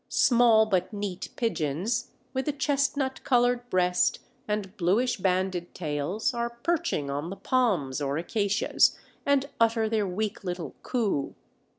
Small but neat pigeons, with a chestnut coloured breast and bluish banded tails are perching on the palms or acacias, and utter their weak little coo.